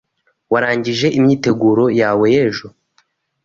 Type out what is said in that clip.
Warangije imyiteguro yawe y'ejo?